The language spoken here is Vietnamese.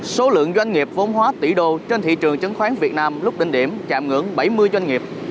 số lượng doanh nghiệp vốn hóa tỷ đô trên thị trường chứng khoán việt nam lúc đỉnh điểm chạm ngưỡng bảy mươi doanh nghiệp